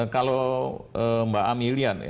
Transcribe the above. kalau mbak ami lihat